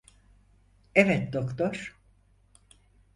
Evet doktor.